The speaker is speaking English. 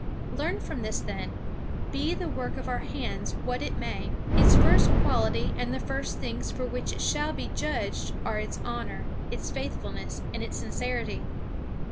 Learn from this then, be the work of our hands what it may, its first quality and the first things for which it shall be judged are its honor, its faithfulness, and its sincerity.